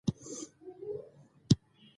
سپین ږیری د حکمت سرچینه ده